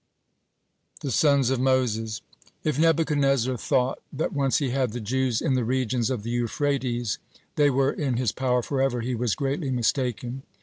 (53) THE SONS OF MOSES If Nebuchadnezzar thought, that once he had the Jews in the regions of the Euphrates they were in his power forever, he was greatly mistaken.